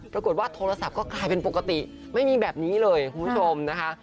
ปรากฏว่าโทรศัพท์ก็กลายเป็นปกติไม่มีแบบนี้เลยคุณผู้ชมนะคะ